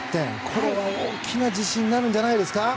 これは大きな自信になるんじゃないですか？